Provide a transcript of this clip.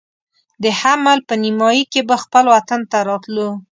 د حمل په نیمایي کې به خپل وطن ته راتلو.